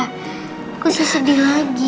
aku susah sedih lagi